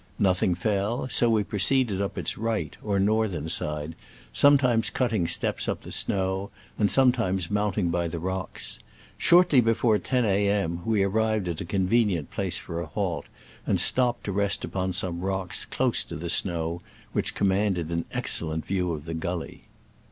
Nothing fell, so we. proceeded up its right or northern side, sometimes cutting steps up the snow, and sometimes mounting by the rocks. Shortly before 10 A. M. we arrived at a convenient place for a halt, and stopped to rest upon some rocks close to the snow which commanded an excellent view of the gully.